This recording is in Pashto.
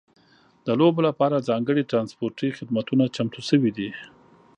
د لوبو لپاره ځانګړي ترانسپورتي خدمتونه چمتو شوي دي.